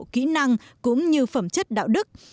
kỹ năng cũng như phẩm chất đạo đức